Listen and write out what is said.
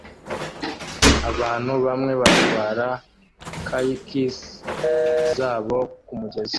Abantu bamwe batwara kayakis zabo kumugezi